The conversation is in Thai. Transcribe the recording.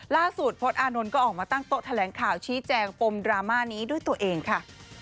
พจน์อานนท์ก็ออกมาตั้งโต๊ะแถลงข่าวชี้แจงปมดราม่านี้ด้วยตัวเองค่ะ